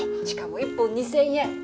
しかも１本２０００円！